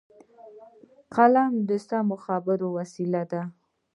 قلم د سمو خبرو وسیله ده